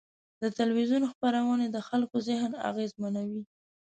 د تلویزیون خپرونې د خلکو ذهن اغېزمنوي.